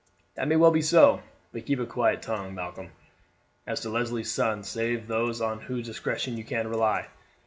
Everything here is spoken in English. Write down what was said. "That may well be so; but keep a quiet tongue, Malcolm, as to Leslie's son, save to those on whose discretion you can rely.